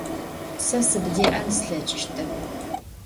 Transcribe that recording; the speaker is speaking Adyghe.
Se sıbdê'en slheç'ıştep.